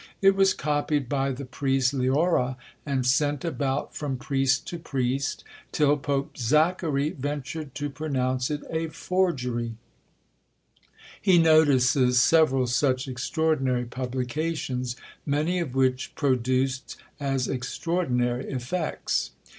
It was copied by the priest Leora, and sent about from priest to priest, till Pope Zachary ventured to pronounce it a forgery. He notices several such extraordinary publications, many of which produced as extraordinary effects.